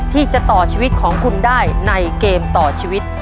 ที่จะต่อชีวิตของคุณได้ในเกมต่อชีวิต